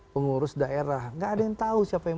pengurus daerah nggak ada yang tahu siapa yang